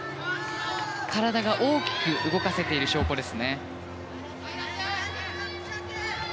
体が大きく動かせている証拠ですね。